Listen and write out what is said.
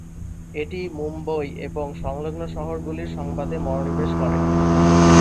এটি মুম্বই এবং সংলগ্ন শহরগুলির সংবাদে মনোনিবেশ করে।